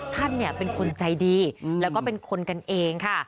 ท่านเป็นคนใจดีแล้วก็เป็นคนกันเองค่ะ